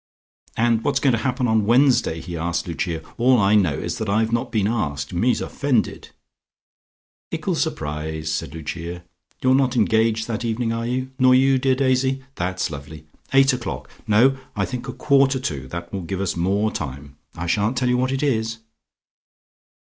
"And what's going to happen on Wednesday?" he asked Lucia. "All I know is that I've not been asked. Me's offended." "Ickle surprise," said Lucia. "You're not engaged that evening, are you? Nor you, dear Daisy? That's lovely. Eight o'clock? No, I think a quarter to. That will give us more time. I shan't tell you what it is."